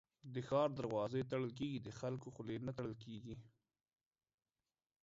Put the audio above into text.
د ښار دروازې تړل کېږي ، د خلکو خولې نه تړل کېږي.